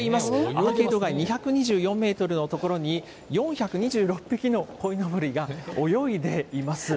アーケードが２２４メートルの所に４２６匹のこいのぼりが泳いでいます。